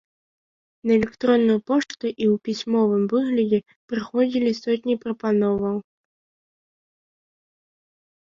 На электронную пошту і ў пісьмовым выглядзе прыходзілі сотні прапановаў.